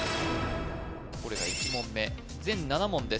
これが１問目全７問です